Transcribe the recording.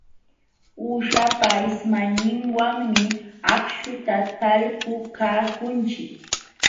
Uushapa ismayninwanmi akśhuta talpupaakunchik.